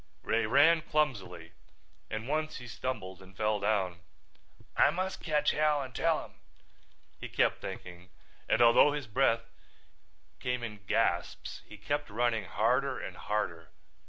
Ray ran clumsily and once he stumbled and fell down. "I must catch Hal and tell him," he kept thinking, and although his breath came in gasps he kept running harder and harder.